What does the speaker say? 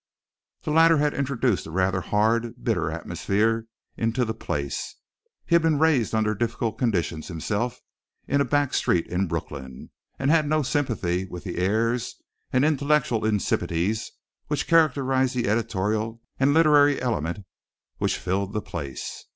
The latter had introduced a rather hard, bitter atmosphere into the place. He had been raised under difficult conditions himself in a back street in Brooklyn, and had no sympathy with the airs and intellectual insipidities which characterized the editorial and literary element which filled the place.